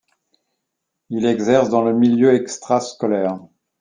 Il exerce dans le milieu extrascolaire.